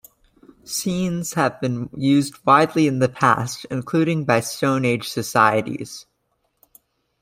Seines have been used widely in the past, including by stone age societies.